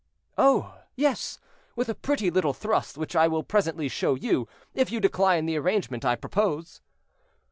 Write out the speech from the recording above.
"Oh! yes, with a pretty little thrust which I will presently show you, if you decline the arrangement I propose."